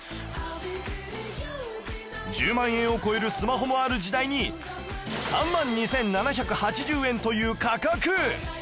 １０万円を超えるスマホもある時代に３万２７８０円という価格！